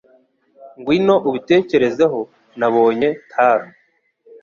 Ngwino ubitekerezeho, Nabonye Taro.